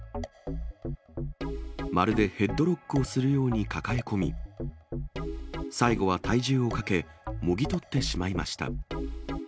まるでヘッドロックをするように抱え込み、最後は体重をかけ、もぎ取ってしまいました。